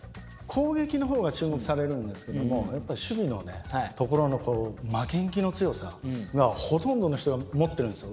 攻撃のほうが注目されるんですけども守備のところの負けん気の強さがほとんどの人が持ってるんですよ。